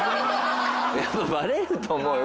やっぱバレると思うよ。